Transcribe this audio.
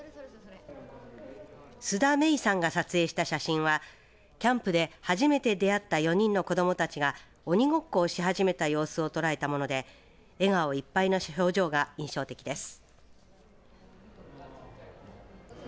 須田芽依さんが撮影した写真はキャンプで初めて出会った４人の子どもたちが鬼ごっこをし始めた様子をとらえたもので笑顔いっぱいの表情が印象的です。